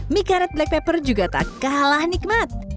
mie karet black pepper juga tak kalah nikmat